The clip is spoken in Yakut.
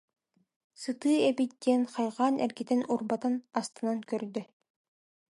Сытыы эбит диэн хайҕаан эргитэн-урбатан астынан көрдө